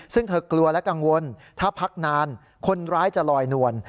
ซึ่งเธอกลัวและกังวลถ้าพักนานคนร้ายจะลอยนวล